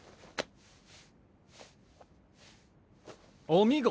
お見事。